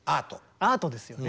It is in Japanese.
アートですよね。